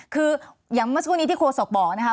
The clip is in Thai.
คืออย่างเมื่อสักครู่นี้ที่โฆษกบอกนะคะ